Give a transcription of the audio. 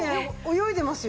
泳いでますよ。